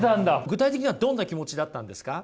具体的にはどんな気持ちだったんですか？